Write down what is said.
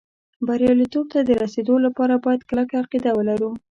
بریالېتوب ته د رسېدو لپاره باید کلکه عقیده ولرو